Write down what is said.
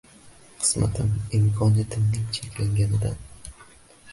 Qismatim — imkoniyatimning cheklanganidan.